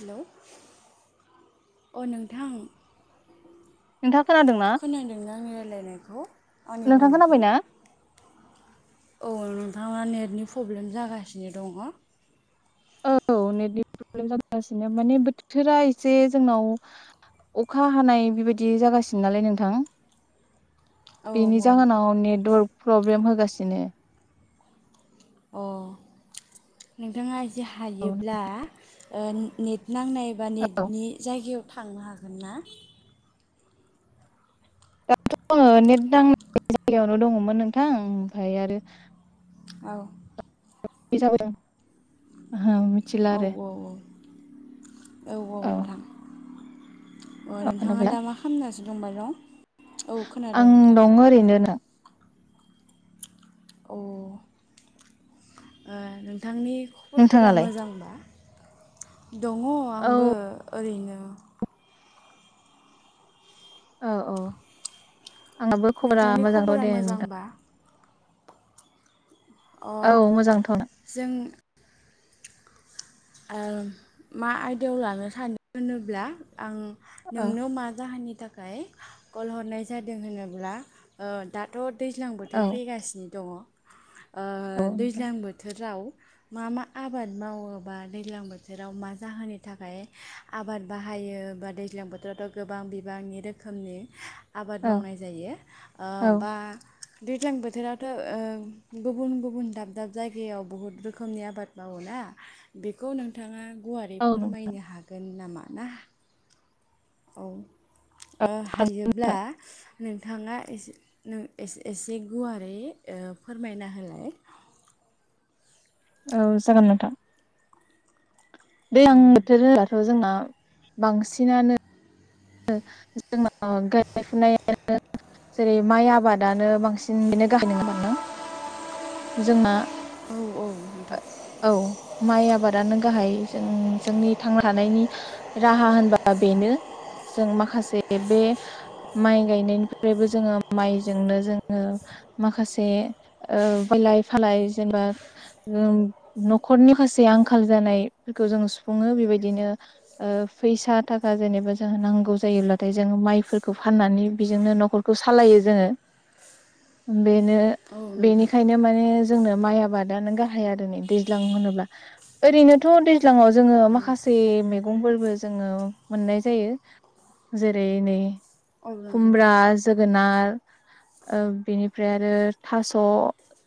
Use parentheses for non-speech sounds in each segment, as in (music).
Hello अ नोंथां नोंथाङा खोनादोंना? खोनादोंना आंनि रायलायनायखौ आंनि नोंथां बुंनायखौ? खोनाबायना? औ नोंथाङा नेटनि पब्लेम जागासिनो दङ। औ नेटनि प्रब्लेम जांगासिनो माने बोथोरा एसे जोंनाव अखा हानाय बेबायदि जागासिनो नालाय नोंथां। औ बेनि औ जाहोनाव नेटवर्क प्रब्लेम होगासि सिनो अ नोंथाङा दि औ हायोब्ला ओ नि नांनायबा औ नेटनि जायगायाव थांनो हागोन ना दाथ' आङो नेट नांनाय जायगायावनो दङमोन नोंथां ओमफ्राय आरो औ जाबो दां होम मिथिला आरो औ‌ औ नोंथां अ औ नोंथाङा खोनाबाय दा मा खालाम गासिनो दंबाय दं औ खोनादों आं नोंथां दङ ओरैनो औ ओ नोंथां‌ नोंथांनि खबरफोरा नोंथाङालाय? मोजांबा दङ औ आंबो ओरैनो औ औ आंहाबो खबरा नोंथांनि मोजांखौ खबरा दे नोंथां मोजांबा अ औ मोजांथ' औ जों ओ‌ मा आयदायाव लानो सानो होनोब्ला आं नोंनो मा जाहोनानि नि थाखाय कल हरनाय जादों होनोब्ला दा दाथ' दैज्लां औ बोथोर फैगासिनो दङ ओ नोंथां दैज्लां बोथोराव मा मा आबाद मावोबा दैज्लां बोथोराव मा जाहोननि थाखाय आबाद बाहायो बा दैज्लां बोथोरावथ' गोबां बिबांनि रोखोमनि आबाद औ मावनाय जायो ओ औ बा दैज्लां बोथोरावथ' ओ गुबुन गुबुन दाब दाब जायगायाव बुहुद रोखोमनि आबाद मावोना बेखौ नोंथाङा गुवारै औ नों फोरमायनो हागोन नामा (unintelligible) औ ओ हागोन हायोब्ला नोंथां नोंथाङा एसे एसे गुवारै फोरमायना होलाय औ जागोन नोंथां औ दैलां बोथोर होनोबाथ' जोंना बांसिनानो जोंनाव गायनाय फुनायानो जेरै माइ आबादानो बांसिन बेनो गाहाय नङा होमबा जोंना औ औ नोंथां औ माइ आबादानो गाहाय जों जोंनि थांना थानायनि राहा होनबा बेनो जों माखासे बे माइ गायनायनिफ्रायबो जोङो माइजोंनो जोङो माखासे बलाय फालाय जेनेबा नखरनिाखासे आंखाल जानायफोरखौ जों सुफुङो बेबायदिनो फैसा थाखा जेनेबा जों नांगौ जायोब्लाथाय जों माइफोरखौ फाननानै बेजोंनो नखरखौ सालायो जोङो बेनो औ नोंथां बेनिखायनो माने जोंनो माइ आबादनो गाहाय आरो दैज्लां होनोब्ला ओरैनोथ दैज्लाङाव जोङो माखासे मैगंफोरबो जोङो मोननाय जायो जायो जेरै नै औ नोंथां खुमब्रा जोगोनार ओ बिनिफ्राय आरो थास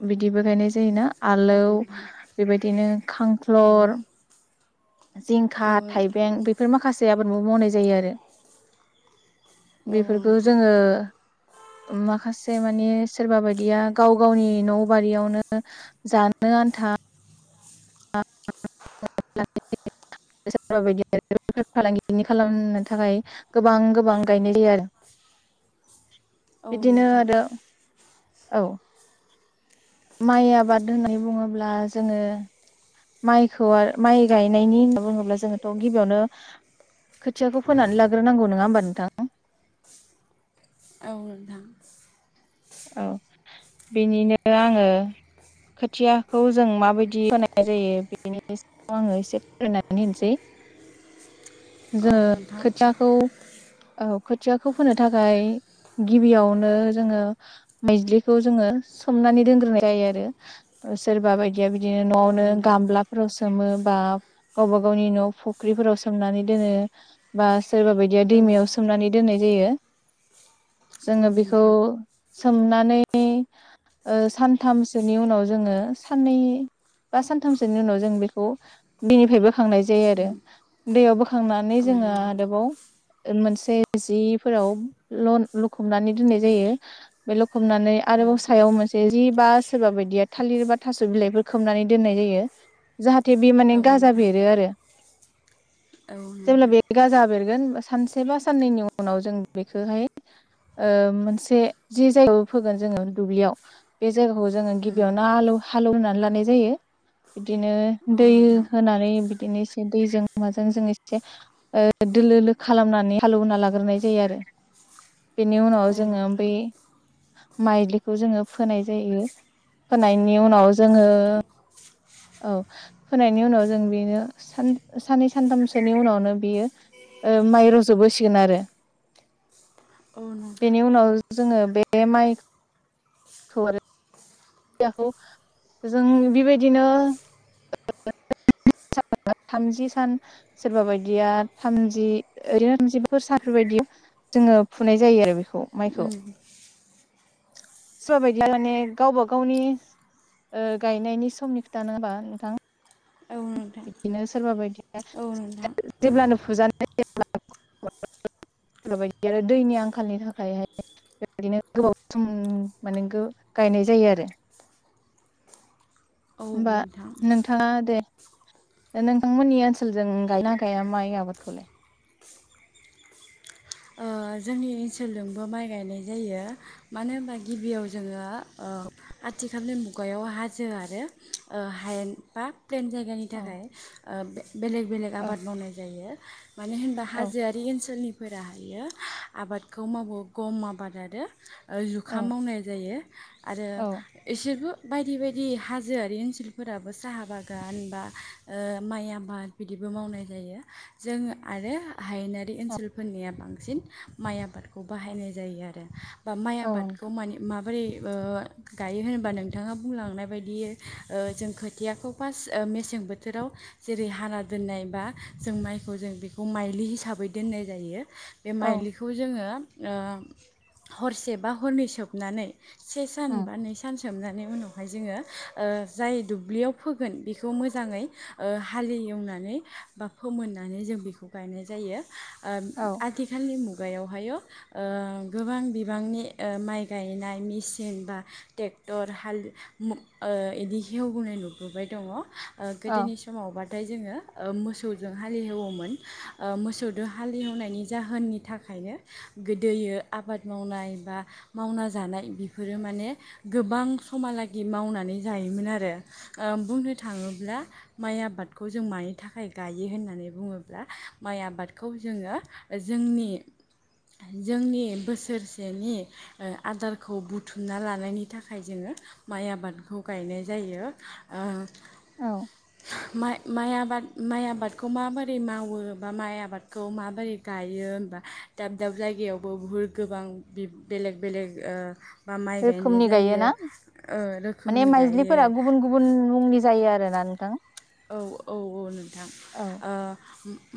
बिदिबो गायनाय जायोना औ आलौ नोंथां बेबायदिनो खां औ ख्लर जिंखा औ नोंथां औ नोंथां थाइबें बेफोर माखासेयाबो खौबो‌ मावनाय‌ जायो जायो आरो बेफोरखौ जोङो माखासे मानि सोरबा बायदिया गाव गावनि न बारियावनो जानो आन्था बायदिनो बेफार फालांगि खालामनो थाखाय गोबां गोबां गायनाय जायो आरो औ नोंथां औ बिदिनो आरो औ माइ आबाद होननानै बुङोब्ला जोङो माइखौ माइ गायनायनि होनना बुङोब्ला जोङोथ' गिबियावनो खोथियाखौ फोनानै लाग्रोनांगौ नङा होमबा नोंथां औ नोंथां औ बिनिनो आङो खोथियाखौ जों माबायदि (inaudible) नाय जायो बेनि सायाव आङो एसे फोरमायनानै होनोसै औ जों (inaudible) नोंथां खोथियाखौ औ खोथियाखौ फोनो थाखाय गिबियावनो जोङो माइज्लिखौ जोङो सोमनानै दोनग्रोनाय जायो आरो सोरबा बायदिया बिदि बिदिनो औ न'आवनो नोंथां गामलाफोरावसो सोमो बा गावबा गावनि न' फुख्रिफोराव सोमनानै दोनो बा सोरबा बायदिया औ दैमायाव नोंथां सोमनानै दोननाय जायो औ जोङो बेखौ नोंथां सोमनानै ओ सानथामसोनि उनाव जोङो साननै बा सानथामसोनि उनाव जों बेखौ दैनिफ्राय बोखांनाय जायो आरो दैयाव बोखां खांनानै औ जोङो नोंथां आरोबाव मोनसे जिफोराव ल-लखुमनानै दोननाय जायो बे लखबनानै औ आरोबाव सायाव मोनसे जि बा सोरबा बायदिया थालिर बा थास' बिलाइफोर खोबनानै दोननाय जायो जाहाथे थे बे माने औ गाजा नोंथां बेरो आरो औ जेब्ला नोंथां बेे गाजा बेरगोन सानसे बा साननैनि उनाव जों बेखौहाय ओ मोनसे जि जायगायाव फोगोन जोङो दुब्लियाव बे जाय जायगाखौ जोङो उम गिबियावनो हालौ हालौवनानै लानाय जायो बिदिनो औ दै नोंथां होनानै बिदिनो एसे दैजों माजों जों एसे ओ दोलोलो खालामनानै हालौना लाग्रोनाय जायो आरो बेनि उनाव औ जोङो नोंथां बै माइलिखौ जोङो फोनाय जायो फोनाय नि उनाव जोङो औ फोनायनि उनाव जों बेनो साननै सानथामसोनि उनावनो बियो ओ माइ रज'बोसिगोन आरो औ नोंथां बेनि उनाव जोङो बे माइ खौ आरो खौ जों बेबायदिनो (unintelligible) थामजि सान सोरबा बायदिया थामजि ओनो थामजिफोर सानफोरबायदि जोङो फुनाय जायो आरो बे उम सोरबा बायदिया माने गावबा गावनि ओ गायनायनि समनि खोथा नङा होमबा नोंथां औ नोंथां बिदिनो सोरबा बायदि औ नोंथां जेब्लानो फुजानाय (unintelligible) दैनि आंखालनि थाखायहाय बेबायदिनो गोबाव सम माने गो- गायनाय जायो आरो औ होमबा नोंथां नोंथाङा दे नोंथांमोननि ओनसोलजों गायना गाया माइ आबादखौलाय ओ जोंनि ओनसोलजोंबो माइ गायनाय जायो मानो होनबा गिबियाव जोङो ओ आथिखालनि मुगायाव हाजो आरो ओ हायेन बा प्लेन जायगानि औ थाखाय ओ बेलेग बेलेग औ आबाद मावनाय जायो मानो होनबा औ हाजोआरि ओनसोलनि फोराहायो आबादखौ मावो गम आबाद आरो ओ औ जुखाम मावनाय जायो आरो औ एसेबो बायदि बायदि हाजोआरि ओनसोलफोराबो साहा बागान बा ओ माइ आबाद बिदिबो मावनाय जायो जों आरो हायेनारि औ ओनसोलफोरनिया बां सिन माइ आबादखौ बाहायनाय जायो आरो बा माइ आबादखौ औ माने मा बोरै ओ गायो होनोबा नोंथाङा बुंलांनाय बायदि ओ जों खोथियाखौ फासट बोथोराव जेरै हाना दोननाय बा जों माइखौ जों बेखौ माइलि हिसाबै दोननाय जायो बे औ माइलिखौ जोङो ओ हरसे बा हरनै सोबनानै से सान बा नै सान सोमनानै उनावहाय जोङो ओ जाय दुब्लियाव फोगोन बेखौ मोजाङै ओ हालेवनानै बा फोमोननानै जों बेखौ गायनाय जायो। ओ औ आ आथिखालनि मुगायावहायो गोबां बिबांनि माइ गायनाय मेसिन बा ट्रेक्टर हाल बिदि हेवबोनाय नुबोबाय दङ। औ गोदोनि समाव बा जोङो मोसौजों हालि एवोमोन मोसौजों हालि एवनायनि जाहोननि थाखायनो गोदोयो आबाद मावनाय बा मावना जानाय बेफोरो माने गोबां समालागि मावनानै जायोमोन आरो बुंनो थाङोब्ला माइ आबादखौ जों मानि थाखाय गायो होननानै बुङोब्ला माइ आबादखौ जोङो। जोंनि जोंनि बोसोरसेनि आदारखौ बुथुमना लानायनि थाखाय जोङो माइ आबादखौ गायनाय जायो। औ माइ माइ आबाद माइ आबादखौ माबोरै मावो बा माइ आबादखौ माबोरै गायो होमबा दाब दाब जायगायावबो बुहुत गोबां बेलेग बेलेग ओ रोखोमनि गायो ना माने रोखोमनि गायो माइज्लिफोरा गुबुन गुबुन मुंनि जायो आरो ना नोंथां। औ औ औ नोंथां औ ओ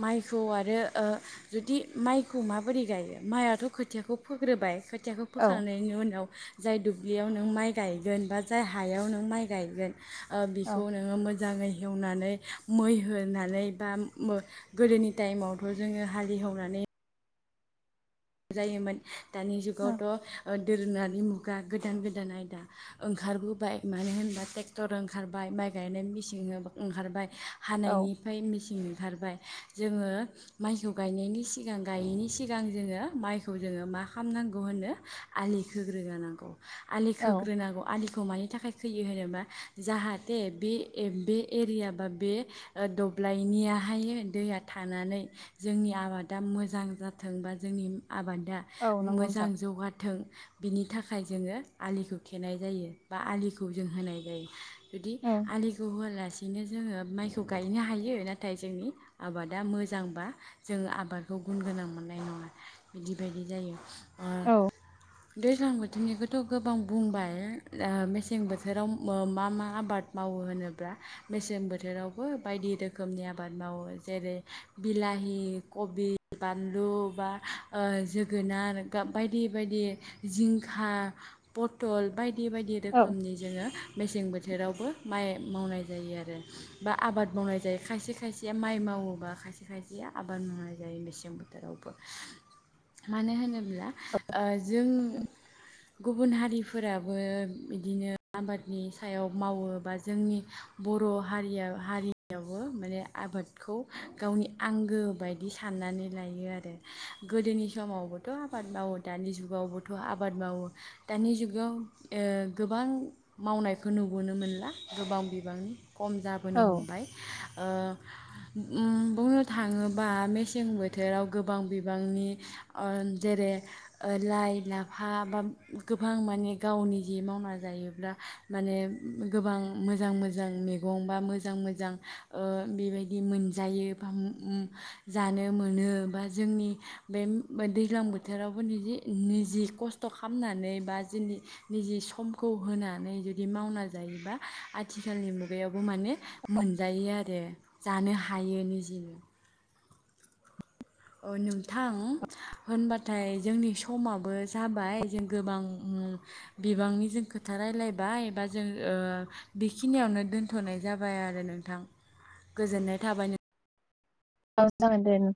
माइखौ आरो ओ जुदि माइखौ माबोरै गायो माइ आथ' खोथियाखौ फोग्रोबाय खोथियाखौ औ फोखांनायनि उनाव जाय दुब्लियाव नों माइ गायगोन बा जाय हायाव नों माइ गायगोन। ओ बिखौ औ नोङो मोज मोजाङै एवनानै मै होनानै बा गोदोनि टाइमावथ' जोङो हालेवनानै जायोमोन। दानि जुगावथ' दोरोङारि मुगा गोदान गोदान आयदा ओंखारबोबाय मानो होनबा ट्रेक्टर ओंखारबाय माइ गायनाय मेसिन ओंखारबाय। औ हानायनिफ्राय मेसिन ओंखारबाय जोङो माइखौ गायनायनि सिगां गायैनि सिगां जोङो। माइखौ जोङो मा खालामनांगौ होनो आलि खोग्रोहोनांगौ आलि औ खोग्रोनांगौ आलि खौ मानि थाखाय खैयो होनोबा जाहाथे बे बे एरिया बा बे ओ दब्लायनियाहाय दैया थानानै जोंनि आबादा मोजां जाथों बा जोंनि आबादा औ नंगौ मोजां नोंथां जौगाथों बिनि थाखाय जोङो आलिखौ थेनाय जायो बा आलिखौ जों होनाय जायो। जुदि औ आलिखौ होनानै सैनो जोङो माइखौ गायनो हायो नाथाय जोंनि आबादा मोजांबा जोङो आबादखौ गुन गोनां मोननाय नङा। बिदि बायदि जायो। औ ओ दैज्लां बोथोरनिखौथ' गोबां बुंबाय ओ मेसें बोथोराव मा मा आबाद मावो होनोब्ला मेसें बोथोरावबो बायदि रोखोमनि आबाद मावो जेरै बिलाहि कबि बानलु बा ओ जोगोनार बायदि बायदि जिंखा पथल बायदि बायदि बायदि औ रोखोमनि जोङो मेसें बोथोरावबो माइ मावनाय जायो आरो बा आबाद मावनाय जायो खायसे खायसेया माइ मावोबा खायसे खायसेया आबाद मावनाय जायो मेसें बोथोरावबो मानो होनोब्ला ओ जों गुबुन हारिफोराबो बिदिनो आबादनि सायाव मावो बा जोंनि बर' हारिया हारियावबो माने आबादखौ गावनि आंगो बायदि साननानै लायो आरो गोदोनि समावबोथ' आबाद मावो दानि जुगावबोथ' आबाद मावो दानि जुगाव ओ गोबां मावनायखौ नुबोनो मोनला गोबां बिबांनि खम जाबोनो औ हमबाय ओ उ बुंनो थाङोबा मेसें बोथोराव गोबां बि बांनि ओ जेरै ओ लाइ लाफा बा गोबां माने गावनि जि मावना जायोब्ला माने गोबां मोजां मोजां मैगं बा मोजां मोजां ओ बेबायदि मोनजायो बा जानो मोनो बा जोंनि बे दै दैज्लां बोथोरावबो निजि निजि खस्थ' खालामनानै बा जोंनि निजे समखौ होनानै जुदि मावना जायोबा आथिखालनि मुगायावबो माने मोनजायो आरो जानो हायो निजेनो अ नोंथां होनबाथाय जोंनि समाबो जाबाय जों गोबां बिबांनि जों खोथा रायलायबाय बा जों ओ बेखिनियावनो दोनथ'नाय जाबाय आरो नोंथां गोजोननाय थाबाय नों ओं जागोनदे नों